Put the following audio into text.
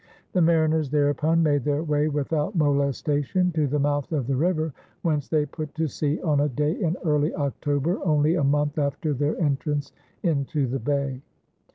The mariners thereupon made their way without molestation to the mouth of the river, whence they put to sea on a day in early October, only a month after their entrance into the bay.